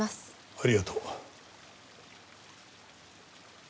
ありがとう。